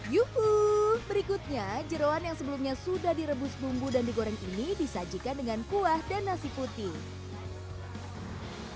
yuhuu berikutnya jeruan yang sebelumnya sudah direbus bumbu dan digoreng ini disajikan dengan kuah dan nasi putih